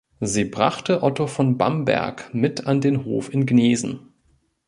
Sie brachte Otto von Bamberg mit an den Hof in Gnesen.